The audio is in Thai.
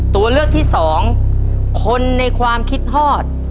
ตัวเลือกที่สองคนในความคิดฮอด